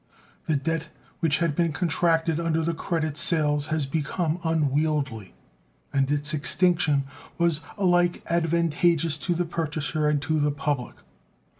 The debt which had been contracted under the credit sales had become unwieldy, and its extinction was alike advantageous to the purchaser and to the public.